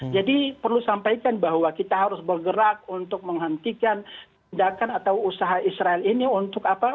jadi perlu sampaikan bahwa kita harus bergerak untuk menghentikan tindakan atau usaha israel ini untuk apa